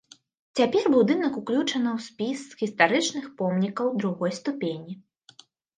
Цяпер будынак ўключана ў спіс гістарычных помнікаў другой ступені.